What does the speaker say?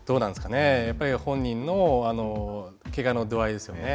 やっぱり本人のけがの度合いですよね。